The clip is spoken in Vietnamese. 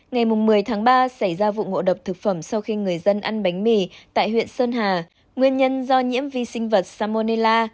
ngày một mươi tháng ba xảy ra vụ ngộ độc thực phẩm sau khi người dân ăn bánh mì tại huyện sơn hà nguyên nhân do nhiễm vi sinh vật samonella